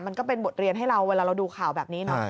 มันก็เป็นบทเรียนให้เราเวลาเราดูข่าวแบบนี้เนาะ